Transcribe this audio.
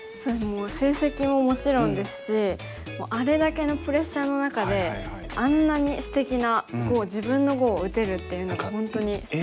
成績ももちろんですしあれだけのプレッシャーの中であんなにすてきな碁を自分の碁を打てるっていうのが本当にすごいなと。